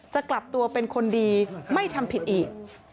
จะกลับตัวเป็นคนดีไม่ทำผิดอีก